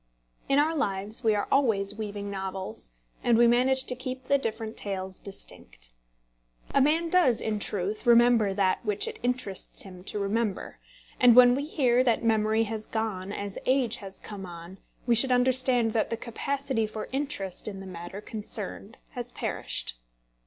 In our lives we are always weaving novels, and we manage to keep the different tales distinct. A man does, in truth, remember that which it interests him to remember; and when we hear that memory has gone as age has come on, we should understand that the capacity for interest in the matter concerned has perished.